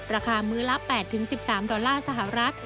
มื้อละ๘๑๓ดอลลาร์สหรัฐ